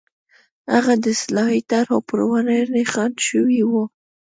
هغه د اصلاحي طرحو پر وړاندې خنډ شوي وو.